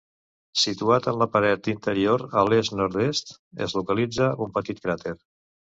Situat en la paret interior a l'est-nord-est es localitza un petit cràter.